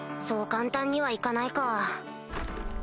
そう簡単には行かないか。